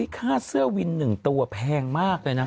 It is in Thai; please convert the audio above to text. ค่าเสื้อวิน๑ตัวแพงมากเลยนะ